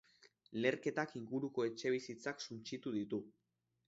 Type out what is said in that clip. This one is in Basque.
Leherketak inguruko etxebizitzak suntsitu ditu.